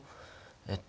えっと